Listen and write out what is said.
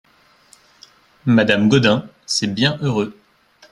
Madame Gaudin C'est bien heureux !